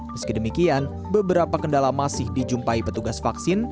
meski demikian beberapa kendala masih dijumpai petugas vaksin